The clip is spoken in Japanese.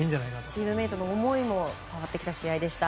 チームメートの思いも伝わってきた試合でした。